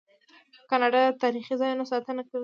کاناډا د تاریخي ځایونو ساتنه کوي.